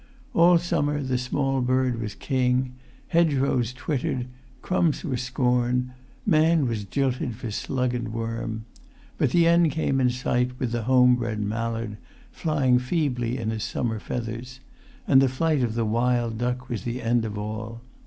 All summer the small bird was king; hedgerows twittered; crumbs were scorned; man was jilted for slug and worm. But the end came in sight with the homebred mallard, flying feebly in his summer feathers; and the flight of the wild duck was the end of all.